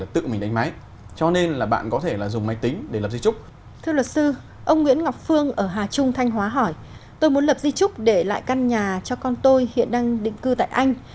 tôi muốn lập di trúc để lại căn nhà cho con tôi hiện đang định cư tại anh